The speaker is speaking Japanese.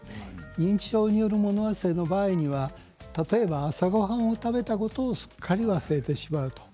認知症による物忘れの場合には例えば朝ごはんを食べたことをすっかり忘れてしまう。